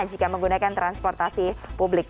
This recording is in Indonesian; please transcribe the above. jika menggunakan transportasi publik